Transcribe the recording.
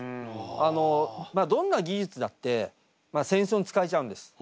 あのまあどんな技術だって戦争に使われちゃうんです。